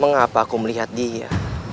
mengapa aku melihat dia